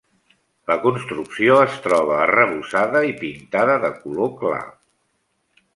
La construcció es troba arrebossada i pintada de color clar.